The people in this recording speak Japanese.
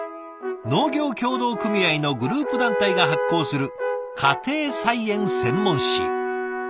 農業協同組合のグループ団体が発行する家庭菜園専門誌。